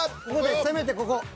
せめてここ。